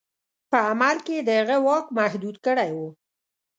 په عمل کې یې د هغه واک محدود کړی وو.